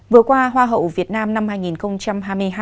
vừa qua hoa hậu việt nam năm hai nghìn hai mươi hai